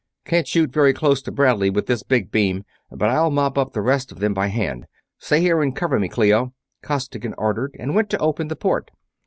"Can't shoot very close to Bradley with this big beam, but I'll mop up on the rest of them by hand. Stay here and cover me, Clio!" Costigan ordered, and went to open the port.